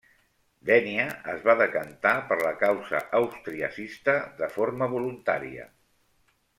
Dénia es va decantar per la causa austriacista de forma voluntària.